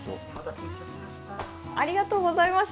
ありがとうございます。